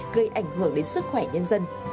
gây ảnh hưởng đến sức khỏe nhân dân